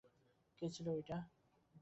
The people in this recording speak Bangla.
কে ছিল ঐটা?